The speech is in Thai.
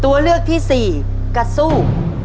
ตัวเลือกที่สี่กระสู้